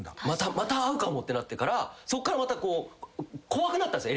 また会うかもってなってそっからまた怖くなったんすよ